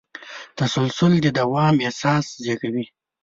تسلسل د دوام احساس زېږوي.